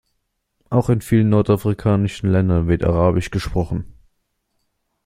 Auch in vielen nordafrikanischen Ländern wird arabisch gesprochen.